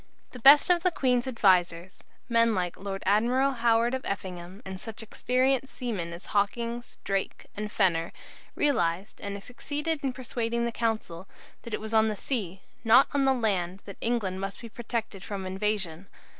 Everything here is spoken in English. The best of the Queen's advisers, men like the Lord Admiral Howard of Effingham, and such experienced seamen as Hawkins, Drake, and Fenner, realized, and succeeded in persuading the Council, that it was on the sea, and not on the land, that England must be protected from invasion.